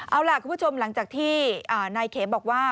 เอาล่ะคุณผู้ชมหลังจากที่นายเข็มบอกว่า